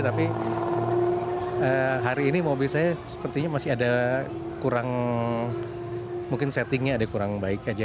tapi hari ini mobil saya sepertinya masih ada kurang mungkin settingnya ada kurang baik aja